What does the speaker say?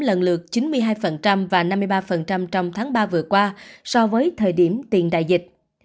lần lượt chín mươi hai và năm mươi ba trong tháng ba vừa qua so với thời điểm tiền đại dịch